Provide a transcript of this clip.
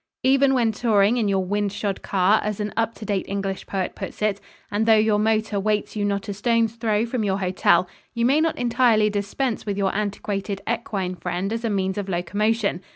Even when touring in your "wind shod" car, as an up to date English poet puts it, and though your motor waits you not a stone's throw from your hotel, you may not entirely dispense with your antiquated equine friend as a means of locomotion.